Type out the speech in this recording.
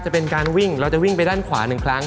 จะเป็นการวิ่งเราจะวิ่งไปด้านขวา๑ครั้ง